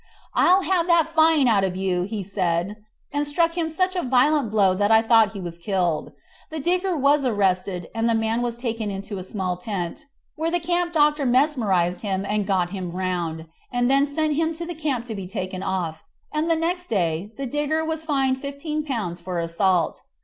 "I'll have that fine out of you," said he, and struck him such a violent blow that I thought he was killed. The digger was arrested, and the man was taken into a small tent, where the camp doctor mesmerised him, and got him round, and then sent him to the camp to be taken care of, and the next day the digger was fined Ł15 for assault.